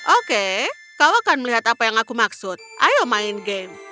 oke kau akan melihat apa yang aku maksud ayo main game